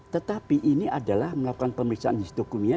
tetapi ini adalah melakukan pemeriksaan histokumia